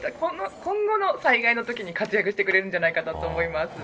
今後の災害のときに活躍してくれるんじゃないかなと思います。